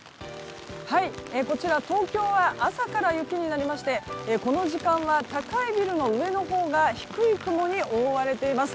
こちら東京は朝から雪になりましてこの時間は高いビルの上のほうが低い雲に覆われています。